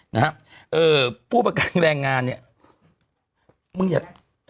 นี่มึงอยาก